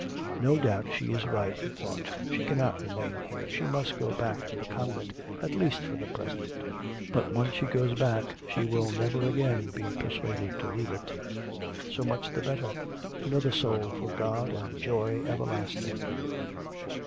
'No doubt she is right,' he thought, 'she cannot remain here.... She must go back to the convent, at least for the present. But once she goes back she will never again be persuaded to leave it. So much the better, another soul for God and joy everlasting.'